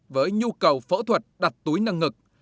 với nhu cầu phẫu thuật đặt túi nâng ngực